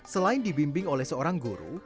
selain dibimbing oleh seorang guru